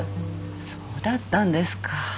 そうだったんですか。